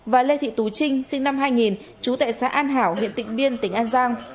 và lê thị tú trinh sinh năm hai nghìn trú tại xã an hảo huyện tỉnh biên tỉnh an giang